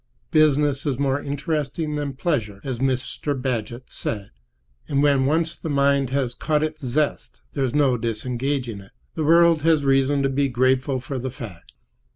Business is more interesting than pleasure, as Mr. Bagehot said, and when once the mind has caught its zest, there's no disengaging it. The world has reason to be grateful for the fact.